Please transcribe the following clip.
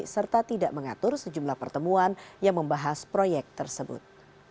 serta tidak mengatur sejumlah pertemuan yang membahas proyek tersebut